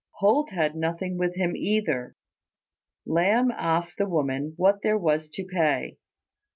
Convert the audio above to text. Holt had nothing with him either. Lamb asked the woman what there was to pay.